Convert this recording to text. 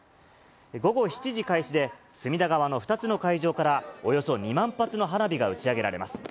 午後７時開始で、隅田川の２つの会場から、およそ２万発の花火が打ち上げられます。